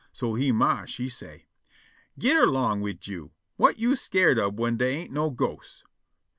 So he ma she say': "Git erlong wid yo'! Whut yo' skeered ob whin dey ain't no ghosts?"